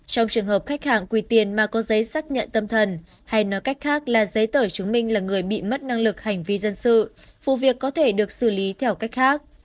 trong trường hợp khách hàng quy tiền mà có giấy xác nhận tâm thần hay nói cách khác là giấy tờ chứng minh là người bị mất năng lực hành vi dân sự vụ việc có thể được xử lý theo cách khác